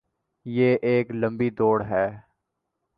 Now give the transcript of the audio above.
یہ ایک لمبی دوڑ ہے۔